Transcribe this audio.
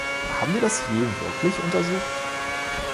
Haben wir das je wirklich untersucht?